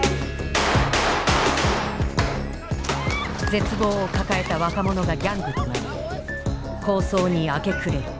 絶望を抱えた若者がギャングとなり抗争に明け暮れる。